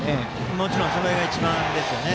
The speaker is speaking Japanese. もちろんそれが一番ですよね。